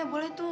iya boleh tuh